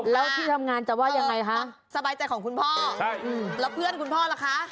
แล้วที่ทำงานจะว่ายังไงคะสบายใจของคุณพ่อแล้วเพื่อนคุณพ่อล่ะคะ